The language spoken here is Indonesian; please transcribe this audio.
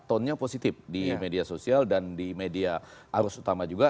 tonnya positif di media sosial dan di media arus utama juga